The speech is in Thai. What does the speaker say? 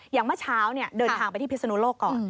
เมื่อเช้าเดินทางไปที่พิศนุโลกก่อน